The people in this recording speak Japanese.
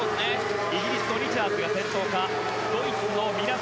イギリスのリチャーズが先頭。